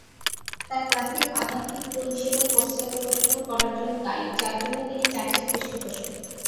তার ক্লাসিক, আধ্যাত্মিক অনুশীলন, পশ্চাদপসরণ করার জন্য গাইড, যার জন্য তিনি চার্চের পৃষ্ঠপোষক।